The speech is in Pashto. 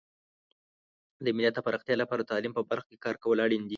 د ملت د پراختیا لپاره د تعلیم په برخه کې کار کول اړین دي.